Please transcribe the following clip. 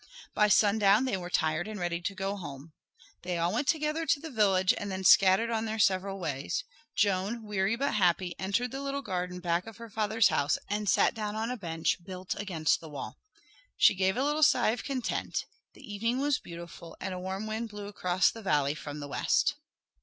By sundown they were tired and ready to go home. They all went together to the village and then scattered on their several ways. Joan, weary but happy, entered the little garden back of her father's house and sat down on a bench built against the wall. She gave a little sigh of content; the evening was beautiful and a warm wind blew across the valley from the west.